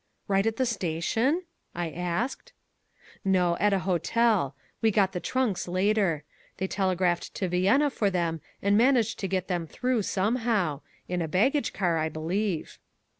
"Right at the station?" I asked. "No, at a hotel. We got the trunks later. They telegraphed to Vienna for them and managed to get them through somehow, in a baggage car, I believe."